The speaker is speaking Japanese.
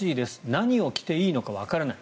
何を着ていいのかわからない。